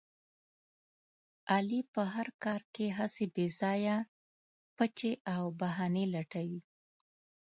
علي په هر کار کې هسې بې ځایه پچې او بهانې لټوي.